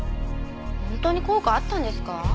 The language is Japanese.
本当に効果あったんですか？